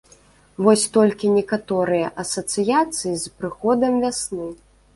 Вось толькі некаторыя асацыяцыі з прыходам вясны.